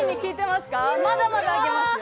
まだまだ上げますよ